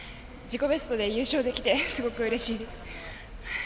自己ベストで優勝できてすごくうれしいです。